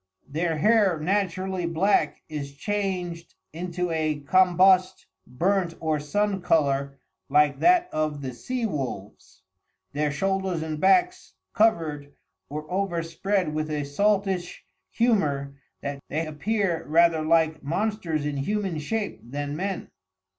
Their hair naturally black is changed into a combust, burnt or Sun colour like that of the Sea Wolves, their shoulders and backs covered, or overspread with a saltish humor that they appear rather like Monsters in humane shape then Men.